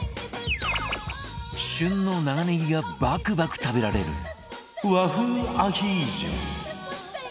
旬の長ネギがバクバク食べられる和風アヒージョ